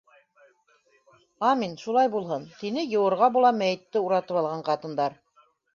Амин, шулай булһын, - тине йыуырға була мәйетте уратып алған ҡатындар.